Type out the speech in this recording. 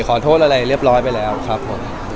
ขอโทษอะไรเรียบร้อยไปแล้วครับผม